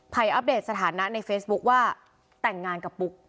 อัปเดตสถานะในเฟซบุ๊คว่าแต่งงานกับปุ๊ก